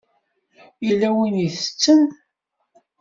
Yella win i itetten.